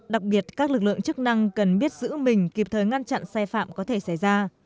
đặc biệt các lực lượng chức năng cần biết giữ mình kịp thời ngăn chặn sai phạm có thể xảy ra